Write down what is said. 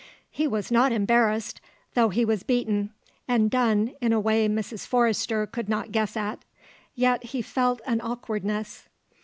He was not embarrassed, though he was beaten and done in a way Mrs. Forrester could not guess at; yet he felt an awkwardness.